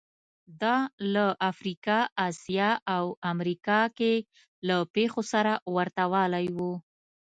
دا له افریقا، اسیا او امریکا کې له پېښو سره ورته والی و